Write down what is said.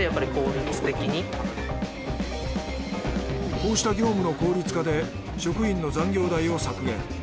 こうした業務の効率化で職員の残業代を削減。